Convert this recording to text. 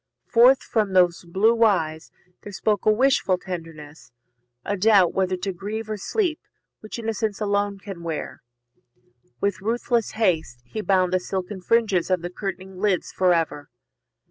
Forth from those blue eyes There spoke a wishful tenderness, a doubt Whether to grieve or sleep, which Innocence Alone can wear. With ruthless haste he bound The silken fringes of the curtaining lids For ever.